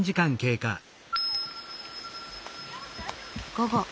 午後。